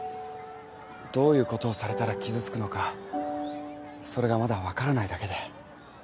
どういうことをされたら傷つくのかそれがまだ分からないだけで。